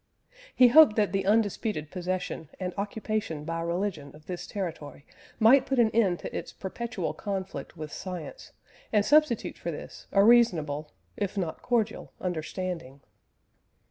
He hoped that the undisputed possession and occupation by religion of this territory might put an end to its perpetual conflict with science, and substitute for this a reasonable, if not cordial, understanding.